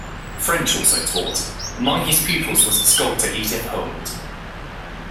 French also taught; among his pupils was the sculptor Edith Howland.